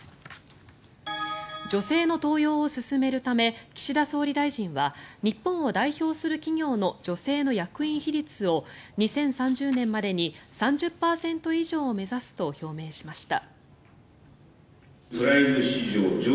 女性の登用を進めるため岸田総理大臣は日本を代表する企業の女性の役員比率を２０３０年までに３０％以上を目指すと表明しました。